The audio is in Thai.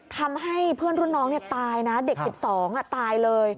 ทำให้เพื่อนรุ่นน้องตายนะเด็ก๑๒ตายเลย